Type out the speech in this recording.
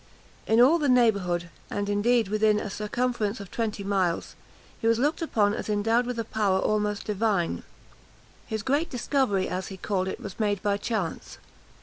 In all the neighbourhood, and indeed within a circumference of twenty miles, he was looked upon as endowed with a power almost divine. His great discovery, as he called it, was made by chance.